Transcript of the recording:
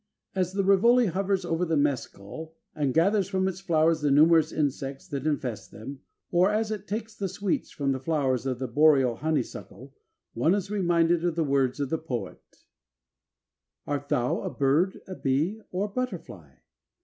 As the Rivoli hovers over the mescal and gathers from its flowers the numerous insects that infest them; or, as it takes the sweets from the flowers of the boreal honeysuckle, one is reminded of the words of the poet: "Art thou a bird, a bee, or butterfly?"